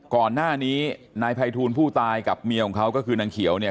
ก่อนหน้านี้นายภัยทูลผู้ตายกับเมียของเขาก็คือนางเขียวเนี่ย